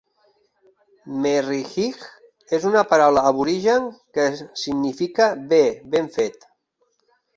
Merrijig és una paraula aborigen que significa "bé, ben fet".